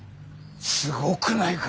すごくないか？